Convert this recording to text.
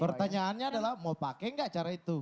pertanyaannya adalah mau pakai nggak cara itu